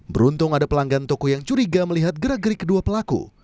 beruntung ada pelanggan toko yang curiga melihat gerak gerik kedua pelaku